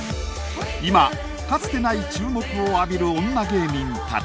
今かつてない注目を浴びる女芸人たち。